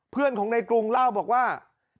เพื่อนของในกรุงเล่าบอกว่า